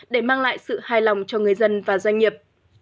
để mang lại sự hài lòng cho người dân và doanh nghiệp